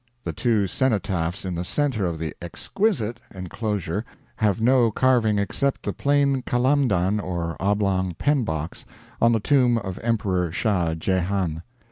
The two cenotaphs in the center of the exquisite enclosure have no carving except the plain Kalamdan or oblong pen box on the tomb of Emperor Shah Jehan.